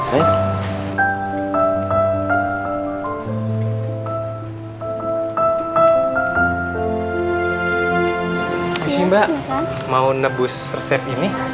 terima kasih mbak mau nebus resep ini